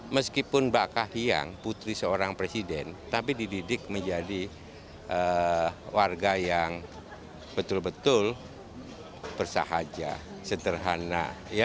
meskipun mbak kahiyang putri seorang presiden tapi dididik menjadi warga yang betul betul bersahaja sederhana